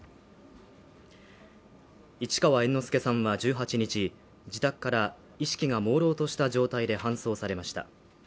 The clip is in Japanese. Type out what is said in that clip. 市川猿之助さんは１８日、自宅から意識がもうろうとした状態で搬送されました。